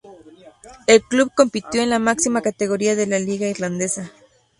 El club compitió en la máxima categoría de la liga irlandesa.